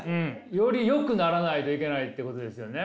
よりよくならないといけないってことですよね？